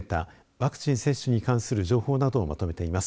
ワクチン接種に関する情報などをまとめています。